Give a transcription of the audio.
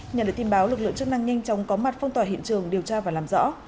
nhận được tin báo lực lượng chức năng nhanh chóng có mặt phong tỏa hiện trường điều tra và làm rõ